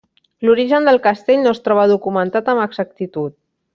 L'origen del castell no es troba documentat amb exactitud.